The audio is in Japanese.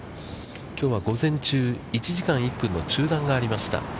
きょうは午前中、１時間１分の中断がありました。